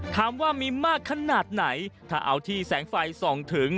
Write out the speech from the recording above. ถามว่ามีมากขนาดไหนถ้าเอาที่แสงไฟส่องถึง